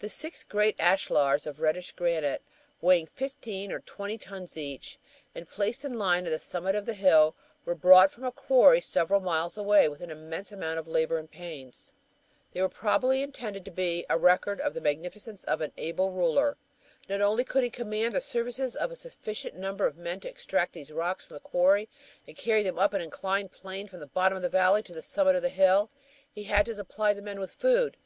The six great ashlars of reddish granite weighing fifteen or twenty tons each, and placed in line on the summit of the hill, were brought from a quarry several miles away with an immense amount of labor and pains. They were probably intended to be a record of the magnificence of an able ruler. Not only could he command the services of a sufficient number of men to extract these rocks from the quarry and carry them up an inclined plane from the bottom of the valley to the summit of the hill; he had to supply the men with food.